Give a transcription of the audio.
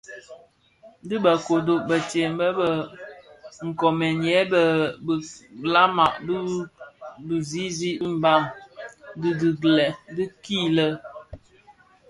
Di bë kodo bëtsem bë bë koomè bèè ki bilama ki bizizig bi Mbam kidhilè,